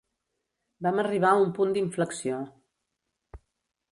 Vam arribar a un punt d'inflexió.